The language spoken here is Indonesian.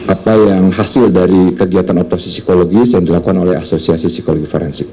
apa yang hasil dari kegiatan otopsi psikologis yang dilakukan oleh asosiasi psikologi forensik